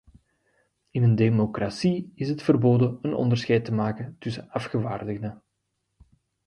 In een democratie is het verboden een onderscheid te maken tussen afgevaardigden.